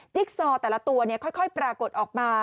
จิ๊กซอร์แต่ละตัวเนี่ยค่อยปรากฏออกมา